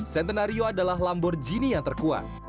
centenario adalah lamborghini yang terkuat